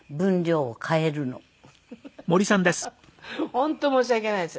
本当申し訳ないです。